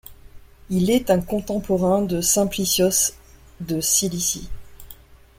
Il est un contemporain de Simplicios de Cilicie.